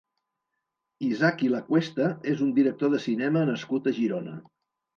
Isaki Lacuesta és un director de cinema nascut a Girona.